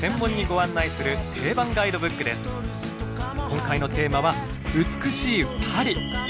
今回のテーマは「美しいパリ」。